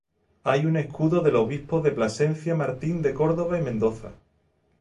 Hay un escudo del obispo de Plasencia Martín de Córdoba y Mendoza.